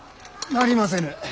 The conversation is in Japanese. なりませぬ。